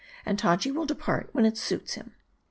And Taji will depart when it suits him.